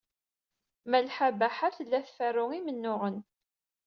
Malḥa Baḥa tella tferru imennuɣen.